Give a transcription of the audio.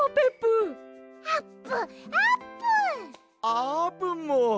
あーぷんも！